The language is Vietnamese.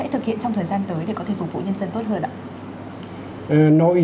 để có thể phục vụ nhân dân tốt hơn ạ